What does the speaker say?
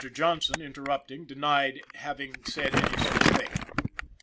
Johnson, interrupting, denied having said any such thing.